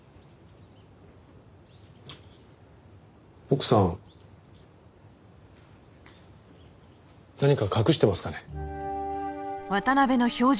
奥さん何か隠してますかね？